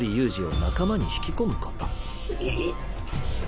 仁を仲間に引き込むこと。